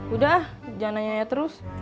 udah jangan nanya nanya terus